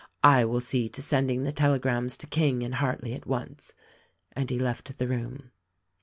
I will see to sending the telegrams to King and Hartleigh at once." And he left the room.